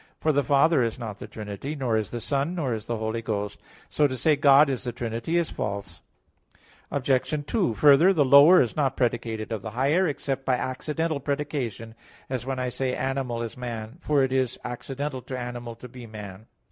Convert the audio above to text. For the Father is not the Trinity; nor is the Son; nor is the Holy Ghost. So to say, "God is the Trinity," is false. Obj. 2: Further, the lower is not predicated of the higher except by accidental predication; as when I say, "animal is man"; for it is accidental to animal to be man.